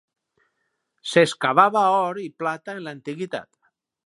S'excavava or i plata en l'antiguitat.